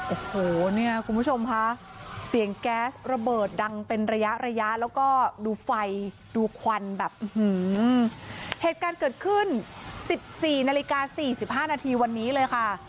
โอ้โหเนี่ยคุณผู้ชมค่ะเสียงแก๊สระเบิดดังเป็นระยะระยะแล้วก็ดูไฟดูควันแบบเหตุการณ์เกิดขึ้น๑๔นาฬิกา๔๕นาทีวันนี้เลยค่ะ